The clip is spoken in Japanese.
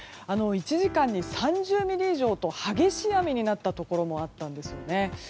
１時間に３０ミリ以上と激しい雨になったところもあったんですよね。